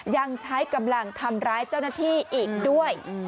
ยังใช้กำลังทำร้ายเจ้าหน้าที่อีกด้วย